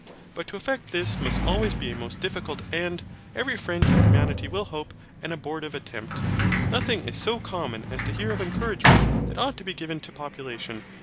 But to effect this must always be a most difficult, and, every friend to humanity will hope, an abortive attempt. Nothing is so common as to hear of encouragements that ought to be given to population.